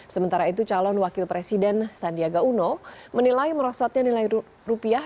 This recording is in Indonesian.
sementara itu calon wakil presiden sandiaga uno menilai merosotnya nilai rupiah